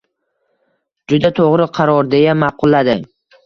«Juda to‘g‘ri qaror! — deya ma’qulladi.